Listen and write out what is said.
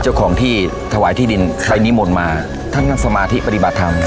เจ้าของที่ถวายที่ดินไปนิมนต์มาท่านนั่งสมาธิปฏิบัติธรรม